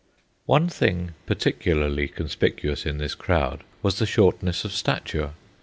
One thing particularly conspicuous in this crowd was the shortness of stature.